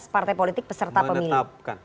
tujuh belas partai politik peserta pemilu